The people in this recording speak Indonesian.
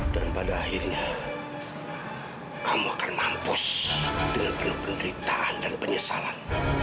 dan pada akhirnya kamu akan mampus dengan peneritaan dan penyesalan